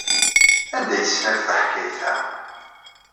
Anda ay teslamt taḥkayt-a?